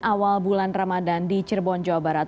awal bulan ramadan di cirebon jawa barat